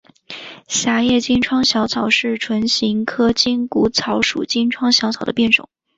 狭叶金疮小草是唇形科筋骨草属金疮小草的变种。